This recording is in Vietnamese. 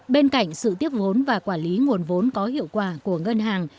bên cạnh sự tiếp vốn và quản lý nguồn vốn có hiệu quả của ngân hàng